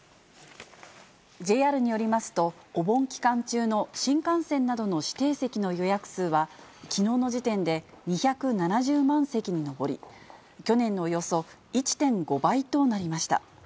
ＪＲによりますと、お盆期間中の新幹線などの指定席の予約数は、きのうの時点で２７０万席に上り、去年のおよそ１．５倍となりました。